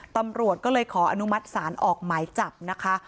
ตำรวจก็เลยขออนุมัติศาลออกหมายจับนะคะ